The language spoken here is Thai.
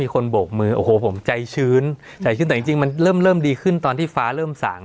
คนโบกมือโอ้โหผมใจชื้นใจชื้นแต่จริงมันเริ่มดีขึ้นตอนที่ฟ้าเริ่มสั่ง